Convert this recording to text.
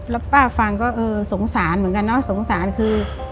แล้วป้าฟังก็เออสงสารเหมือนกันเนอะสงสารคือ